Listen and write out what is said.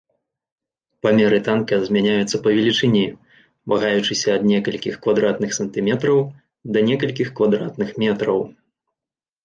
Памеры танка змяняюцца па велічыні, вагаючыся ад некалькіх квадратных сантыметраў да некалькіх квадратных метраў.